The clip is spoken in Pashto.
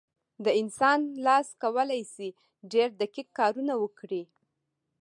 د انسان لاس کولی شي ډېر دقیق کارونه وکړي.